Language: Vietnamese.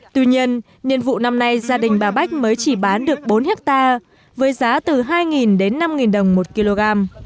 tuy nhiên nhiệm vụ năm nay gia đình bà bách mới chỉ bán được bốn hectare với giá từ hai đến năm đồng một kg